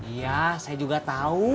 iya saya juga tahu